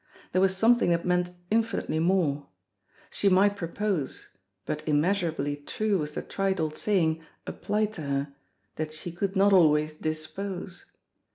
There was something that meant infinitely more. She might pro pose, but immeasurably true was the trite old saying applied to her that she could not always dispose